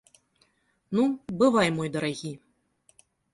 Ну, бывай мой дарагі!